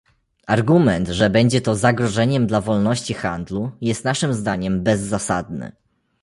Argument, że będzie to zagrożeniem dla wolności handlu, jest naszym zdaniem bezzasadny